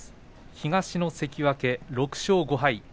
東の関脇、６勝５敗。